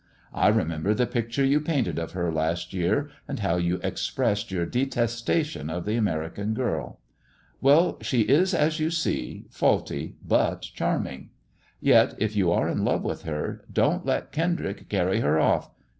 I remember the picture you painted of her last year, and how you expressed yoiu* detestation of the American girl. Well, she is as you see — ^faulty, but charming. Yet, if you are in love with her, don't let Kendrick carry her off.